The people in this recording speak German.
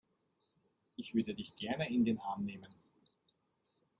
Ich würde dich gerne in den Arm nehmen.